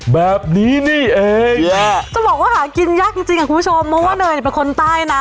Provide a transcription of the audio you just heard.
แบบนี้นี่เองจะบอกว่าหากินยากจริงจริงอ่ะคุณผู้ชมเพราะว่าเนยเป็นคนใต้นะ